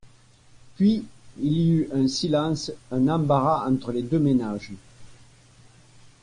Puis, il y eut un silence, un embarras entre les deux ménages.